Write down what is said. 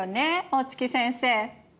大月先生。